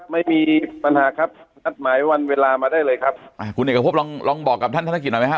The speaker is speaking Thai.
ไม่มีปัญหาครับนัดหมายวันเวลามาได้เลยครับคุณเอกพบลองลองบอกกับท่านธนกิจหน่อยไหมฮ